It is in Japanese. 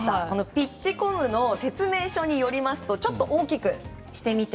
ピッチコムの説明書によりますとちょっと大きくしてみて。